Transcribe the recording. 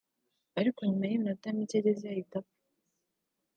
ariko nyuma y’iminota mike agezeyo ahita apfa